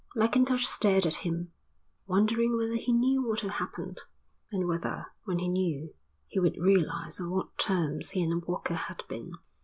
Mackintosh stared at him, wondering whether he knew what had happened, and whether, when he knew, he would realise on what terms he and Walker had been.